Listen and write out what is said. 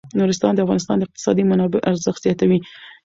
نورستان د افغانستان د اقتصادي منابعو ارزښت زیاتوي.